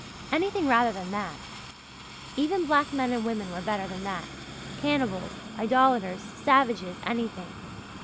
Anything rather than that! Even black men and women were better than that cannibals, idolators, savages, anything!